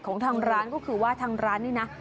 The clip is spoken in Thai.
ของทางร้านก็คือว่าทางร้านนี่นะ